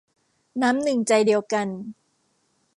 น้ำหนึ่งใจเดียวกัน